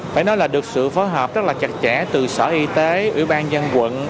phải nói là được sự phối hợp rất là chặt chẽ từ sở y tế ủy ban dân quận